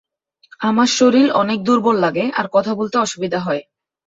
আমার শরীর অনেক দূর্বল লাগে আর কথা বলতে অসুবিধা হয়।